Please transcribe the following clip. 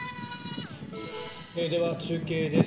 では、中継です。